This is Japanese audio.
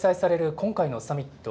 今回のサミット。